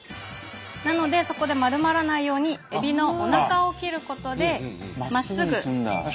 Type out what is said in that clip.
なのでそこで丸まらないようにエビのおなかを切ることでまっすぐ。